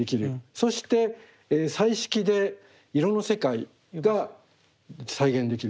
そして彩色で色の世界が再現できる。